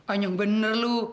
oh yang bener lu